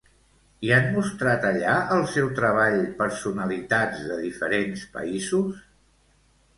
Hi han mostrat allà el seu treball personalitats de diferents països?